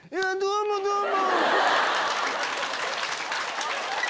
「どうもどうも」！